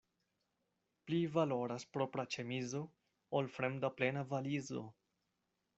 Pli valoras propra ĉemizo, ol fremda plena valizo.